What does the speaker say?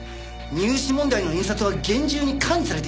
入試問題の印刷は厳重に管理されています。